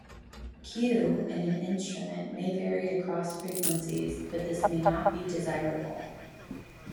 "Q" in an instrument may vary across frequencies, but this may not be desirable.